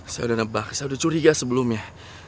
saya udah nebak saya udah curiga sebelumnya